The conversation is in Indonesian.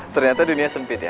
ternyata dunia sempit ya